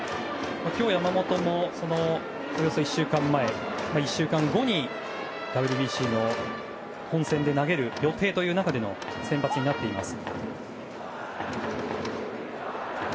今日、山本もおよそ１週間後にＷＢＣの本戦で投げる予定という中での先発となっています。